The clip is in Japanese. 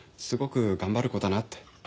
すごく頑張る子だなって。